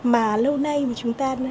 mà lâu nay chúng ta bắt đầu lãng quên